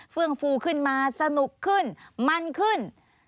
ื่องฟูขึ้นมาสนุกขึ้นมันขึ้น